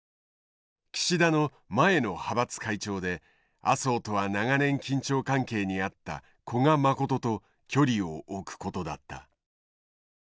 岸田の前の派閥会長で麻生とは長年緊張関係にあった古賀誠と距離を置くことだった。